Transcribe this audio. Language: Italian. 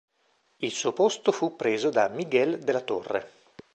Il suo posto fu preso da Miguel de la Torre.